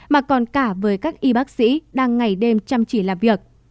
mà còn cả với các y bác sĩ đang ngày đêm chăm chỉ làm việc